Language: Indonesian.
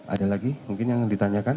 ada lagi mungkin yang ditanyakan